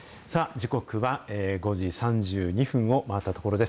時刻は５時３２分を回ったところです。